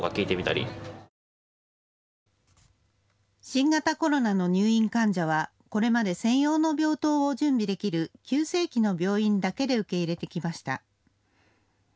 新型コロナの入院患者はこれまで専用の病棟を準備できる急性期の病院だけで受け入れてきました。